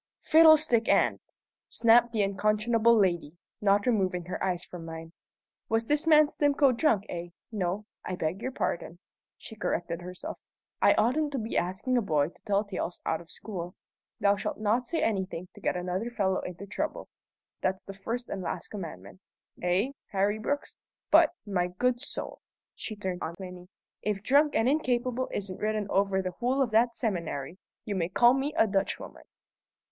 "Fiddlestick end!" snapped the unconscionable lady, not removing her eyes from mine. "Was this man Stimcoe drunk, eh? No; I beg your pardon," she corrected herself. "I oughtn't to be asking a boy to tell tales out of school. 'Thou shalt not say anything to get another fellow into trouble' that's the first and last commandment eh, Harry Brooks? But, my good soul" she turned on Plinny "if 'drunk and incapable' isn't written over the whole of that seminary, you may call me a Dutchwoman!"